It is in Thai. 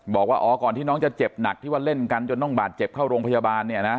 บอกว่าอ๋อก่อนที่น้องจะเจ็บหนักที่ว่าเล่นกันจนต้องบาดเจ็บเข้าโรงพยาบาลเนี่ยนะ